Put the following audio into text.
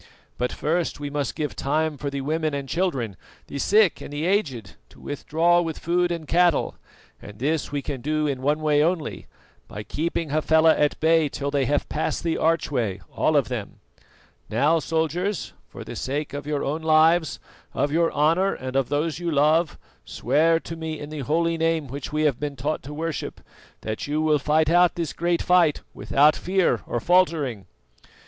But first we must give time for the women and children, the sick and the aged, to withdraw with food and cattle; and this we can do in one way only, by keeping Hafela at bay till they have passed the archway, all of them. Now, soldiers, for the sake of your own lives, of your honour and of those you love, swear to me, in the holy Name which we have been taught to worship, that you will fight out this great fight without fear or faltering."